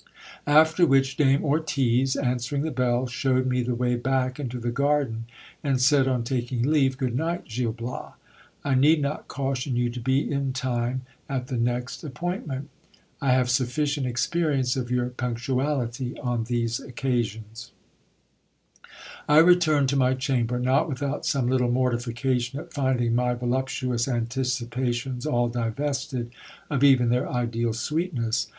After which Dame Ortiz, answering the bell, shewed me the way back into the garden, and said, on taking leave, Good night, Gil Bias. I need not caution you to be in time at the next appointment I have sufficient experience of your punctuality on these occasions, c. I returned to my chamber, not without some little mortification at finding my voluptuous anticipations all divested of even their ideal sweetness.